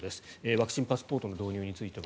ワクチンパスポートの導入については。